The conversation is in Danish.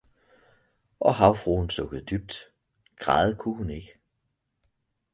Og havfruen sukkede dybt, græde kunne hun ikke